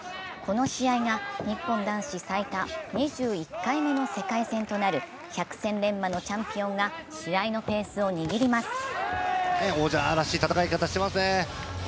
この試合が日本男子最多２１回目の世界戦となる百戦錬磨のチャンピオンが試合のペースを握ります。